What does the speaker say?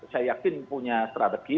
saya yakin punya strategi